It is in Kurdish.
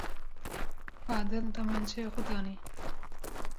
Fadil demançeya xwe danî.